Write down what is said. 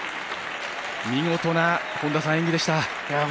見事な演技でした。